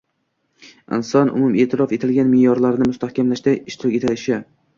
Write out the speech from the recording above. inson umume’tirof etilgan me’yorlarni mustahkamlashda ishtirok etishi